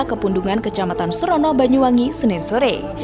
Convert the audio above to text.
kepundungan kecamatan serono banyuwangi senin sore